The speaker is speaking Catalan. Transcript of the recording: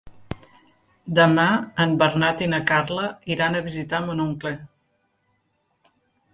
Demà en Bernat i na Carla iran a visitar mon oncle.